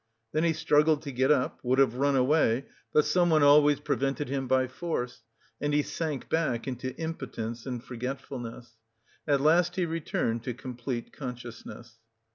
Then he struggled to get up, would have run away, but someone always prevented him by force, and he sank back into impotence and forgetfulness. At last he returned to complete consciousness.